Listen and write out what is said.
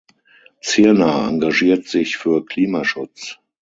Zirner engagiert sich für Klimaschutz.